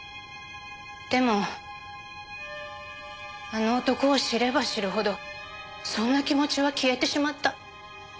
でもあの男を知れば知るほどそんな気持ちは消えてしまった。